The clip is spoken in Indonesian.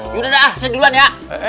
yaudah dah ah saya duluan ya